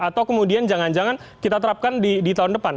atau kemudian jangan jangan kita terapkan di tahun depan